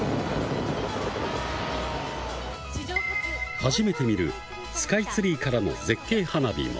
初めて見るスカイツリーからの絶景花火も。